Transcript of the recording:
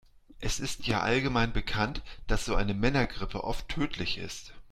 Es ist ja allgemein bekannt, dass so eine Männergrippe oft tödlich ist.